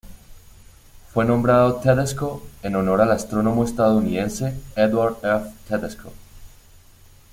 Fue nombrado Tedesco en honor al astrónomo estadounidense Edward F. Tedesco.